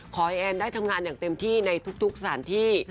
แอนได้ทำงานอย่างเต็มที่ในทุกสถานที่